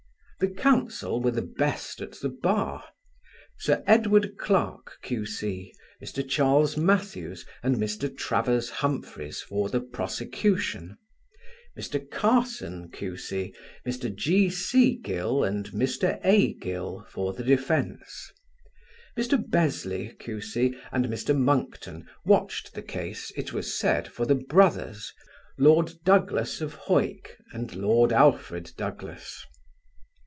The Counsel were the best at the Bar; Sir Edward Clarke, Q.C., Mr. Charles Mathews, and Mr. Travers Humphreys for the prosecution; Mr. Carson, Q.C., Mr. G.C. Gill and Mr. A. Gill for the defence. Mr. Besley, Q.C., and Mr. Monckton watched the case, it was said, for the brothers, Lord Douglas of Hawick and Lord Alfred Douglas.